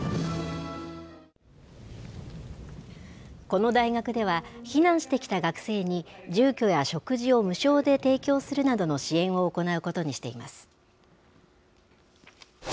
この大学では、避難してきた学生に、住居や食事を無償で提供するなどの支援を行うことにしています。